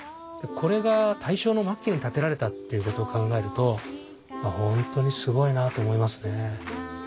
これが大正の末期に建てられたっていうことを考えると本当にすごいなと思いますね。